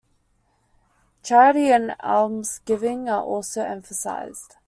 Charity and almsgiving are also emphasized.